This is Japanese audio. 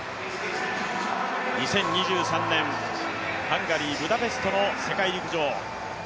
２０２３年ハンガリー・ブダペストの世界陸上。